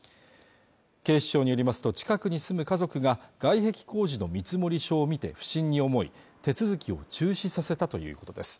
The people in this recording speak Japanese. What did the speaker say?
警視庁によりますと近くに住む家族が外壁工事の見積書を見て不審に思い手続きを中止させたということです